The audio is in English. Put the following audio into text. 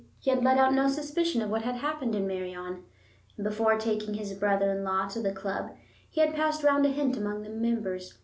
He had let out no suspicion of what had happened in Meirion, and before taking his brother in law to the club he had passed round a hint among the members.